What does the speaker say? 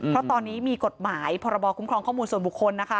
เพราะตอนนี้มีกฎหมายพรบคุ้มครองข้อมูลส่วนบุคคลนะคะ